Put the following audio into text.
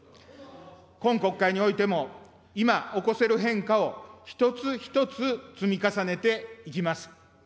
今国会においても、今起こせる変化を、一つ一つ積み重ねていきます。